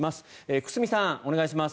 久須美さん、お願いします。